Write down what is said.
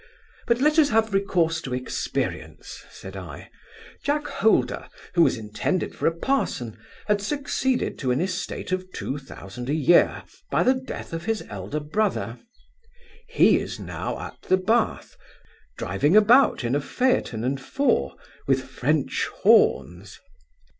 'But let us have recourse to experience (said I) Jack Holder, who was intended for a parson, has succeeded to an estate of two thousand a year, by the death of his elder brother. He is now at the Bath, driving about in a phaeton and four, with French horns.